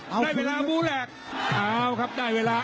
เอาครับได้เวลา